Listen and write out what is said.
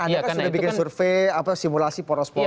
anda kan sudah bikin survei simulasi poros poros